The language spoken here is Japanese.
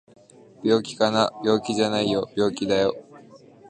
病気かな？病気じゃないよ病気だよ